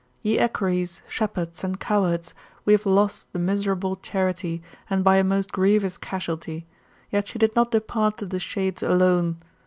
'* Ye equerries, shep herds, und cow herds, we have lost the miserable Charite, and by a most grievous casuality. Yet she did not depart to the shades alone.